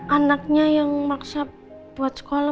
anaknya yang maksa buat sekolah